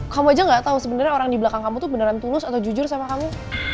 kamu aja gak tau sebenarnya orang di belakang kamu tuh beneran tulus atau jujur sama kamu